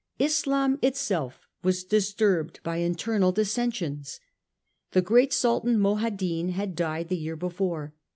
Islam itself was disturbed by internal dissensions. The great Sultan Moadhin had died the year before.